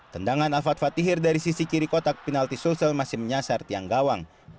tendangan alfat fatihir dari sisi kiri kotak penalti sulsel masih menyasar tiang gawang